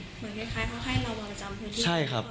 เหมือนคล้ายเพราะให้เราตรงจำที่อยู่ก่อน